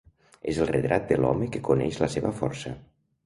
És el retrat de l'home que coneix la seva força.